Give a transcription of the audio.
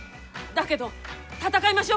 だけど戦いましょ！